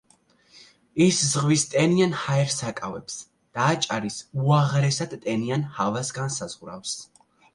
ის ზღვის ტენიან ჰაერს აკავებს და აჭარის უაღრესად ტენიან ჰავას განსაზღვრავს.